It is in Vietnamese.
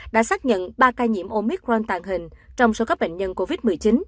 đã xác nhận ba ca nhiễm omicron tàng hình trong số các bệnh nhân covid một mươi chín